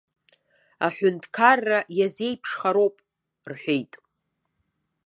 Аҳәынҭқарра иазеиԥшхароуп, рҳәеит.